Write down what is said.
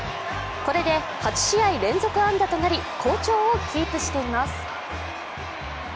これで８試合連続安打となり好調をキープしています。